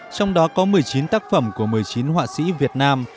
trong đó có một mươi chín tác phẩm của một mươi chín họa sĩ việt nam